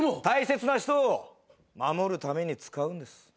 大切な人を守るために使うんです。